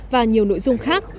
và nhiều nội dung khác